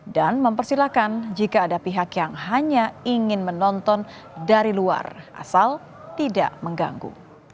dan mempersilahkan jika ada pihak yang hanya ingin menonton dari luar asal tidak mengganggu